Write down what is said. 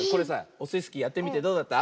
オスイスキーやってみてどうだった？